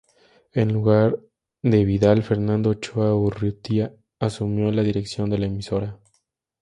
En lugar de Vidal, Fernando Ochoa Urrutia asumió la dirección de la emisora.